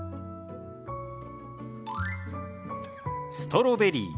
「ストロベリー」。